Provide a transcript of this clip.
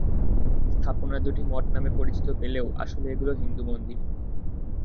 স্থাপনা দুটি মঠ নামে পরিচিতি পেলেও আসলে এগুলো হিন্দু মন্দির।